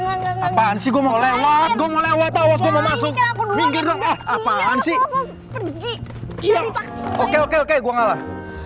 apaan sih gue mau lewat gue mau lewat awas mau masuk apaan sih